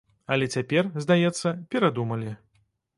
Але цяпер, здаецца, перадумалі.